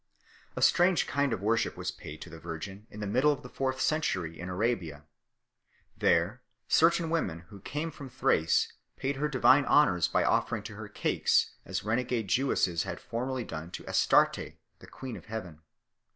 A strange kind of worship was paid to the Virgin in the middle of the fourth century in Arabia. There certain women who came from Thrace paid her divine honours by offering to her cakes (tcoXX vpiSes) 3 , as renegade Jewesses had formerly done to Astarte the queen of hea ven 4